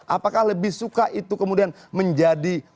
apakah lebih suka itu kemudian menjadi